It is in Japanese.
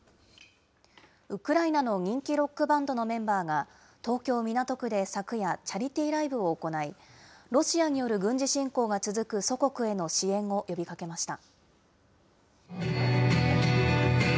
ウクライナの人気ロックバンドのメンバーが東京・港区で昨夜、チャリティーライブを行い、ロシアによる軍事侵攻が続く祖国への支援を呼びかけました。